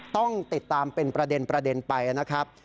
ต้องติดตามเป็นประเด็นไปนะครับ